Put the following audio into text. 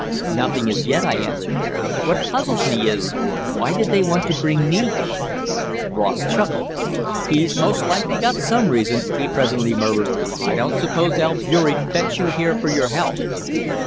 "Nothing as yet," I answered. "What puzzles me is why did they want to bring me here?" Ross chuckled. "He's most likely got some reason," he presently murmured. "I don't suppose Albeury'd fetch you here for your health."